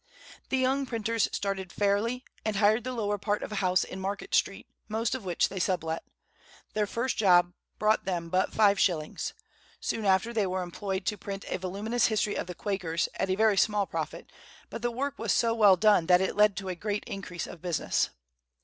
The young printers started fairly, and hired the lower part of a house in Market Street, most of which they sublet. Their first job brought them but five shillings. Soon after, they were employed to print a voluminous history of the Quakers, at a very small profit; but the work was so well done that it led to a great increase of business.